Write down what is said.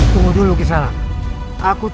tunggu dulu kisah nak